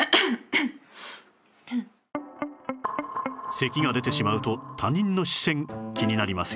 咳が出てしまうと他人の視線気になりますよね